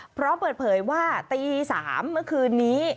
พร้อมเปิดเผยว่าตี๓เมื่อคืนนี้